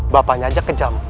bapaknya aja kejam